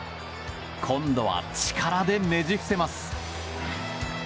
今度は力でねじ伏せます。